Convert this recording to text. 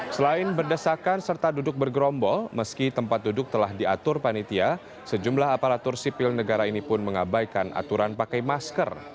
selain berdesakan serta duduk bergerombol meski tempat duduk telah diatur panitia sejumlah aparatur sipil negara ini pun mengabaikan aturan pakai masker